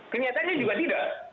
kenyataannya juga tidak